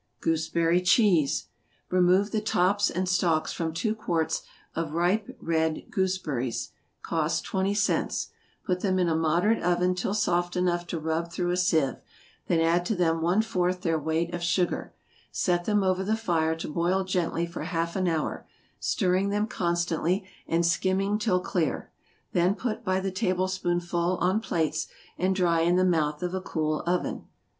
=Gooseberry Cheese.= Remove the tops and stalks from two quarts of ripe, red gooseberries, (cost twenty cents,) put them in a moderate oven till soft enough to rub through a seive; then add to them one fourth their weight of sugar, set them over the fire to boil gently for half an hour, stirring them constantly, and skimming till clear; then put by the tablespoonful on plates, and dry in the mouth of a cool oven.